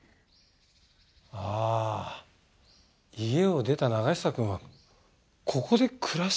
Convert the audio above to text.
ああ家を出た永久くんはここで暮らしてたんだね。